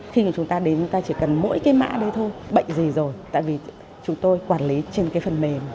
khi mà chúng ta đến chúng ta chỉ cần mỗi cái mã đây thôi bệnh gì rồi tại vì chúng tôi quản lý trên cái phần mềm